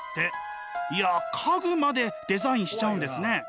いや家具までデザインしちゃうんですね。